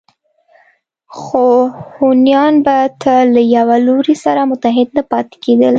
خو هونیان به تل له یوه لوري سره متحد نه پاتې کېدل